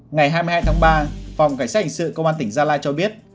ngày hai mươi hai tháng ba phòng cảnh sát hình sự công an tỉnh gia lai cho biết